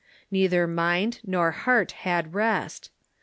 Neither mind nor heart had rest.